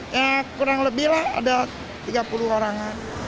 ya kurang lebih lah ada tiga puluh orang